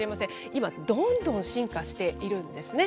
今、どんどん進化しているんですね。